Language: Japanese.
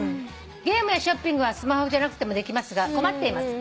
「ゲームやショッピングはスマホじゃなくてもできますが困っています。